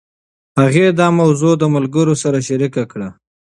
هغې دا موضوع له ملګرې سره شريکه کړه.